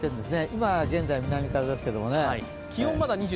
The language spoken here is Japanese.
今、現在、南風ですけれどもね。